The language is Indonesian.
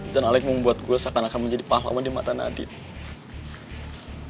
dan alex membuat gue seakan akan menjadi pahlawan di mata nadine